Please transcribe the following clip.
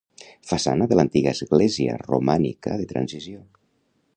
Façana de l'antiga església romànica de transició.